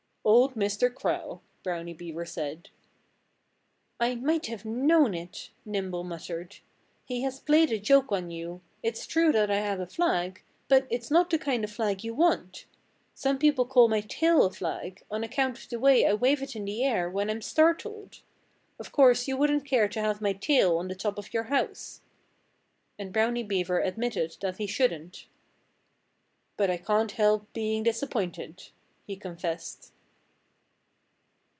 "Old Mr. Crow!" Brownie Beaver said. "I might have known it," Nimble muttered. "He has played a joke on you. It's true that I have a flag; but it's not the kind of flag you want. Some people call my tail a flag, on account of the way I wave it in the air when I'm startled. Of course you wouldn't care to have my tail on the top of your house." And Brownie Beaver admitted that he shouldn't. "But I can't help being disappointed," he confessed.